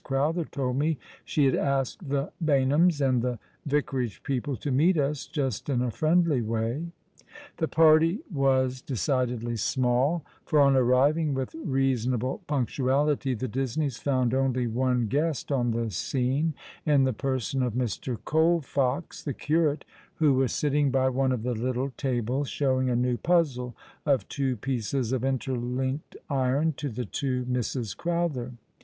Crowtlier told me she had asked the Baynhams and the Vicarage people to meet ns, just in a friendly way." The party was decidedly small, for on arriving with reasonable punctuality the Disneys found only one guest on the scene, in the person of Mr. Colfox, the curate, who was sitting by one of the little tables, showing a new puzzle of two pieces of interlinked iron to the two Misses Crowther.